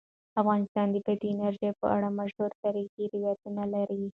افغانستان د بادي انرژي په اړه مشهور تاریخی روایتونه لري.